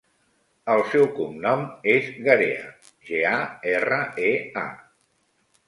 El seu cognom és Garea: ge, a, erra, e, a.